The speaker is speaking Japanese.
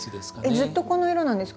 ずっとこの色なんですか？